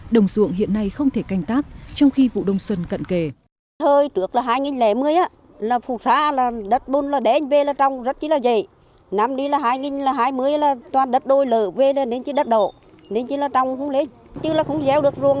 đồng ruộng hiện nay không thể canh tác trong khi vụ đông xuân cận kề